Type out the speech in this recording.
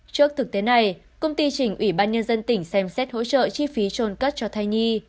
trước thực tế này công ty trình ủy ban nhân dân tỉnh xem xét hỗ trợ chi phí trồn cất cho thay nhi